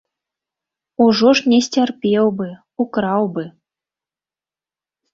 Ужо ж не сцярпеў бы, украў бы!